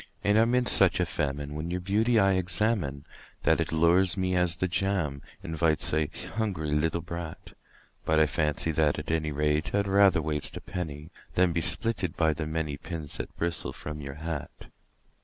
And I am in such a famine when your beauty I examine That it lures me as the jam invites a hungry little brat; But I fancy that, at any rate, I'd rather waste a penny Than be spitted by the many pins that bristle from your hat.